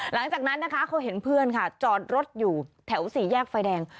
หลังจากนั้นนะคะเขาเห็นเพื่อนค่ะจอดรถอยู่แถวสี่แยกไฟแดง